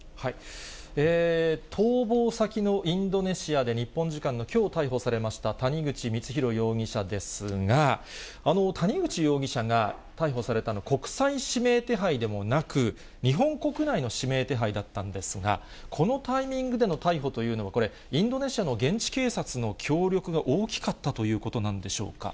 逃亡先のインドネシアで、日本時間のきょう逮捕されました、谷口光弘容疑者ですが、谷口容疑者が逮捕されたのは、国際指名手配でもなく、日本国内の指名手配だったんですが、このタイミングでの逮捕というのはこれ、インドネシアの現地警察の協力が大きかったということなんでしょ